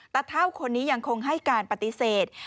เท่าคนนี้ยังคงให้การปฏิเสธ